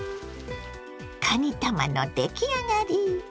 かにたまの出来上がり。